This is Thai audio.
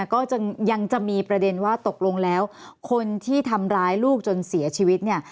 ก็ยังจะมีประเด็นว่าตกลงแล้วคนที่ทำร้ายลูกจนเสียชีวิตเนี่ย